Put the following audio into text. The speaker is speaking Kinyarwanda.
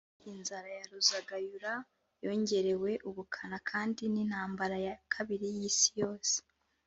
Inzara ya Ruzagayura yongerewe ubukana kandi n’intambara ya kabiri y’isi yose